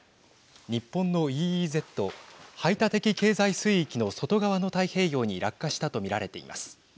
日本のＥＥＺ＝排他的経済水域の外側の太平洋に落下したと見られています。